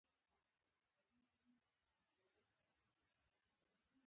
د سترې محکمې د یوه قاضي ارزښت ترمنځ و.